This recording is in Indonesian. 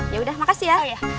yaudah makasih ya